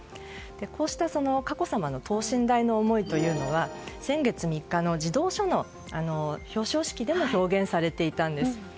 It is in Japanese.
こうした佳子さまの等身大の思いというのは先月３日の児童書の表彰式でも表現されていたんです。